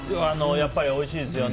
やっぱりおいしいですよね